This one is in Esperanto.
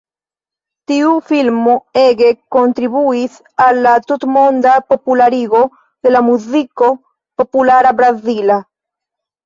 Tiu filmo ege kontribuis al la tutmonda popularigo de la Muziko Populara Brazila.